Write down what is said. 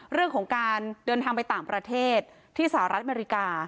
เรื่องของการเดินทางไปต่างประเทศที่สหรัฐอเมริกา